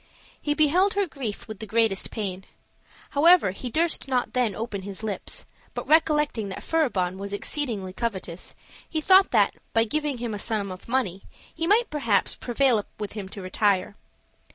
He beheld her grief with the greatest pain. However, he durst not then open his lips; but recollecting that Furibon was exceedingly covetous, he thought that, by giving him a sum of money, he might perhaps prevail with him to retire.